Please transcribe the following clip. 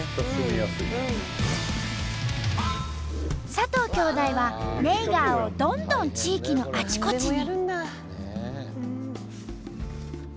佐藤兄弟はネイガーをどんどん地域のあちこちに。